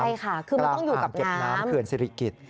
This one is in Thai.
กลางอ่างเก็บน้ำเผื่อสิริกิจ